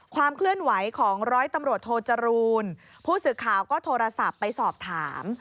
ความเคลื่อนไหวของร้อยตำรวจโทจรูลผู้สื่อข่าวก็โทรศัพท์ไปสอบถาม